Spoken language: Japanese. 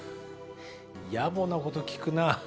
やぼなこと聞くなぁ。